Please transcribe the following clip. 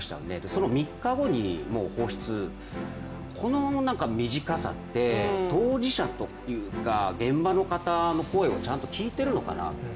その３日後にもう放出、この短さって当事者というか現場の方の声をちゃんと来ているのかなと。